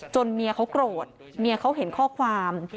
เมียเขาโกรธเมียเขาเห็นข้อความ